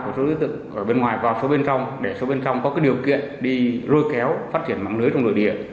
của số đối tượng bên ngoài vào số bên trong để số bên trong có điều kiện đi rôi kéo phát triển mạng lưới trong nội địa